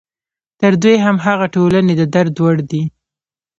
تر دوی هم هغه ټولنې د درد وړ دي.